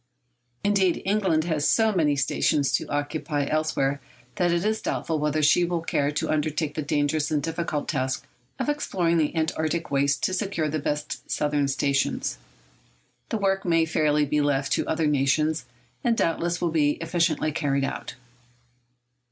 Indeed, England has so many stations to occupy elsewhere that it is doubtful whether she will care to undertake the dangerous and difficult task of exploring the Antarctic wastes to secure the best southern stations. The work may fairly be left to other nations, and doubtless will be efficiently carried out.